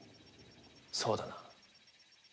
そうだな？